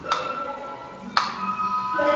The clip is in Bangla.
আমরা এক সুন্দর এবং স্বাধীন সমাজ লাভ করব।